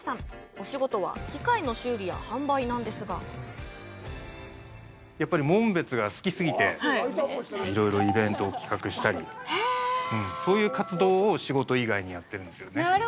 お仕事は機械の修理や販売なんですがやっぱり紋別が好き過ぎていろいろイベントを企画したりそういう活動を仕事以外にやってるんですよね。